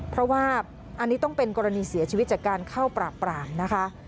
เพราะว่าอันนี้ต้องเป็นกรณีเสียชีวิตจากการเข้าปราบปรามนะคะ